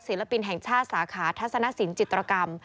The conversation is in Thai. ศิลปินแห่งชาติสาขาทัศนสินจิตรกรรม